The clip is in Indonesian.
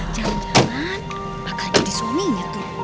jangan jangan pakai jadi suaminya tuh